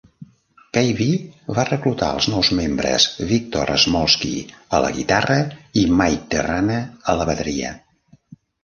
Peavy va reclutar els nous membres Victor Smolski a la guitarra i Mike Terrana a la bateria.